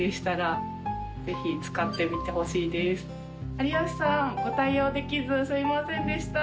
有吉さんご対応できずすいませんでした。